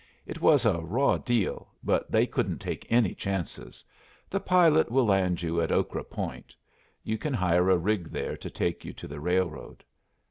"It was a raw deal, but they couldn't take any chances. The pilot will land you at Okra Point. You can hire a rig there to take you to the railroad."